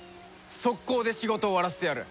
即行で仕事終わらせてやる！